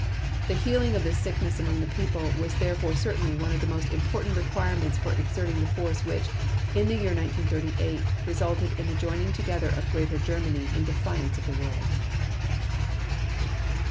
The healing of this sickness among the people, was therefore certainly one of the most important requirements for exerting the force which, in the year 1938, resulted in the joining together of Greater Germany in defiance of the world."